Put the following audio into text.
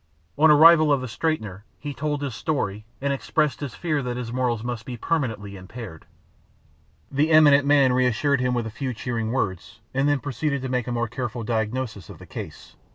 On the arrival of the straightener he told his story, and expressed his fear that his morals must be permanently impaired. The eminent man reassured him with a few cheering words, and then proceeded to make a more careful diagnosis of the case.